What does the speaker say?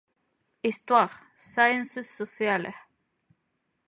Histoire, Sciences sociales".